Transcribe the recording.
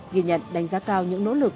ghi nhận đánh giá cao những nỗ lực